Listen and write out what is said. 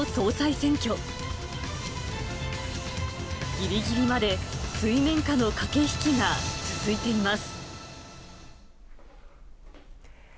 ぎりぎりまで水面下の駆け引きが続いています。